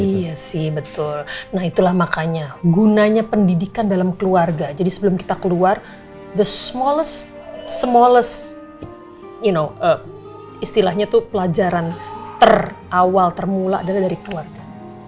iya sih betul nah itulah makanya gunanya pendidikan dalam keluarga jadi sebelum kita keluar the smolest yo know istilahnya itu pelajaran terawal termula adalah dari keluarga